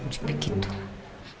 jangan begitu lah